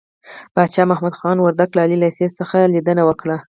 پاچا د محمد جان خان وردک له عالي لېسې څخه ليدنه وکړه .